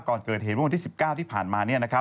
ก่อนเกิดเหตุบันที่๑๙ที่ผ่านมา